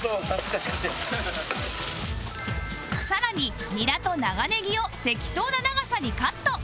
更にニラと長ネギを適当な長さにカット